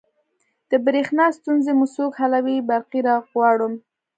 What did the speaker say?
د بریښنا ستونزې مو څوک حلوی؟ برقي راغواړم